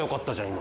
今。